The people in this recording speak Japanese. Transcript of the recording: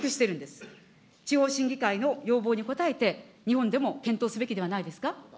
地方審議会の要望に応えて、日本でも検討すべきではないですか。